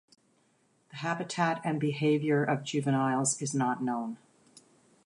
The habitat and behaviour of juveniles is not known.